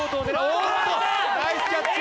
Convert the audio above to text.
おっとナイスキャッチ！